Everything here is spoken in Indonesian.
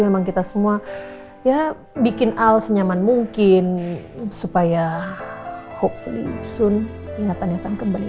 memang kita semua ya bikin al senyaman mungkin supaya hopefully soon ingatannya akan kembali